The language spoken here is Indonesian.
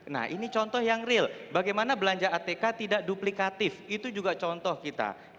nah ini contoh yang real bagaimana belanja atk tidak duplikatif itu juga contoh kita